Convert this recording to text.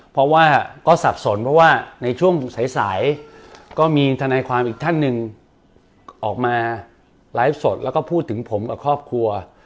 เพราะว่าก็สับสนเพราะว่าในช่วงสายก็มีทนายความอีกท่านหนึ่งออกมาไลฟ์สดแล้วก็พูดถึงผมกับครอบครัว